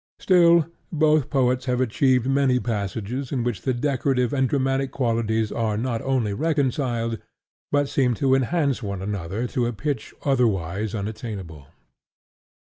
Still, both poets have achieved many passages in which the decorative and dramatic qualities are not only reconciled, but seem to enhance one another to a pitch otherwise unattainable.